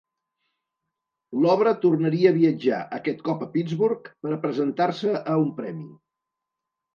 L'obra tornaria a viatjar, aquest cop a Pittsburgh, per a presentar-se a un premi.